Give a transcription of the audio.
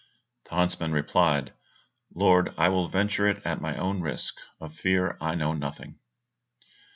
The huntsman replied, "Lord, I will venture it at my own risk, of fear I know nothing."